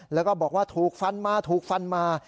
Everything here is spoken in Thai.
แล้วก็บอกว่าถูกฟันมาถูกฟันมา